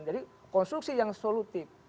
jadi konsumsi yang solutif